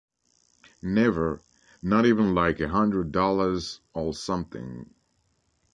Never, not even like a hundred dollars or something.